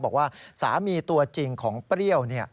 บอกว่าสามีตัวจริงของเปรี้ยว